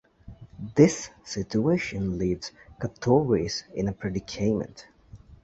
This situation leaves Carthoris in a predicament.